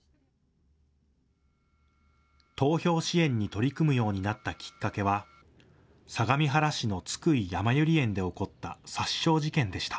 投票支援に取り組むようになったきっかけは相模原市の津久井やまゆり園で起こった殺傷事件でした。